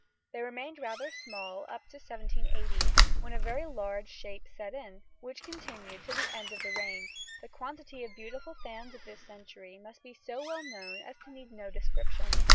They remained rather small up to 1780, when a very large shape set in, which continued till the end of the reign; the quantity of beautiful fans of this century must be so well known as to need no description.